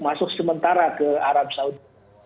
masuk sementara ke arab saudi